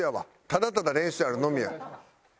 ただただ練習あるのみや。